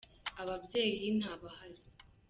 ababyeyi ntabahari.